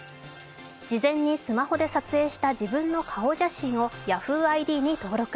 事前にスマホで撮影した自分の顔写真をＹａｈｏｏ！ＩＤに登録。